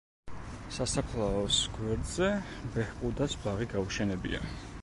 სასაფლაოს გვერდზე ბეჰბუდას ბაღი გაუშენებია.